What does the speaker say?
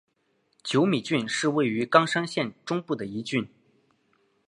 久米郡是位于冈山县中部的一郡。